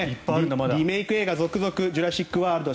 リメイク映画続々「ジュラシック・ワールド」